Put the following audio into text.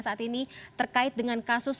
saat ini terkait dengan kasus